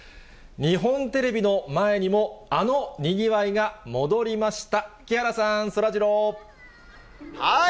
日本テレビの前にもあのにぎわいが戻りました。